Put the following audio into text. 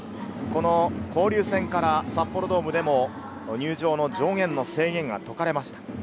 交流戦から札幌ドームでも入場の上限の制限が解かれました。